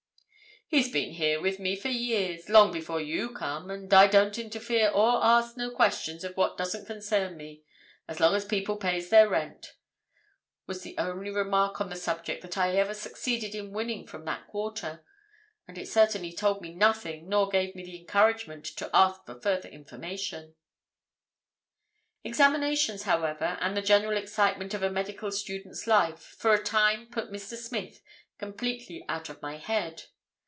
"'He's been here with me for years—long before you come, an' I don't interfere or ask no questions of what doesn't concern me, as long as people pays their rent,' was the only remark on the subject that I ever succeeded in winning from that quarter, and it certainly told me nothing nor gave me any encouragement to ask for further information. "Examinations, however, and the general excitement of a medical student's life for a time put Mr. Smith completely out of my head.